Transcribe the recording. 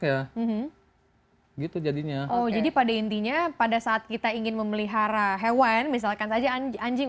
ya gitu jadinya oh jadi pada intinya pada saat kita ingin memelihara hewan misalkan saja anjing anjing